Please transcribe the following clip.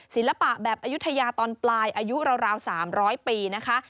ศิลปะแบบอายุทยาตอนปลายอายุราว๓๐๐ปีนะคะ